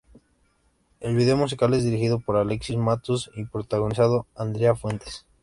El video musical es dirigido por Alexis Matus y protagonizado Andrea Fuentes.